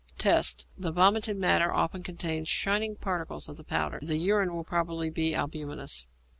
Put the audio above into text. Tests. The vomited matter often contains shining particles of the powder. The urine will probably be albuminous.